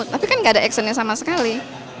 tapi kan gak ada actionnya sama sekali